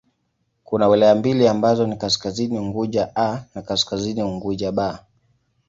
Kuna wilaya mbili ambazo ni Kaskazini Unguja 'A' na Kaskazini Unguja 'B'.